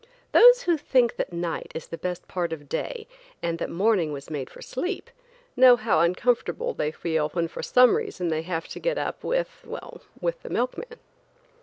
Those who think that night is the best part of the day and that morning was made for sleep, know how uncomfortable they feel when for some reason they have to get up with–well, with the milkman.